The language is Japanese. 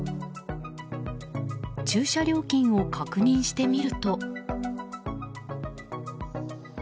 駐車料金を確認してみると。